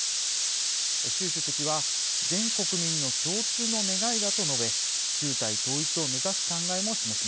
習主席は「全国民の共通の願いだ」と述べ中台統一を目指す考えも示しました。